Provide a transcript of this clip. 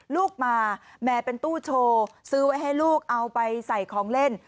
ลูกมาแม่เป็นตู้โชว์ซื้อไว้ให้ลูกเอาไปใส่ของเล่น